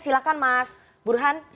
silahkan mas burhan